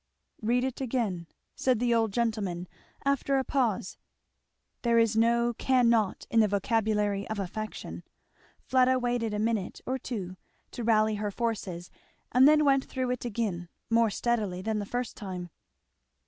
"Read it again," said the old gentleman after a pause. There is no 'cannot' in the vocabulary of affection. Fleda waited a minute or two to rally her forces, and then went through it again, more steadily than the first time.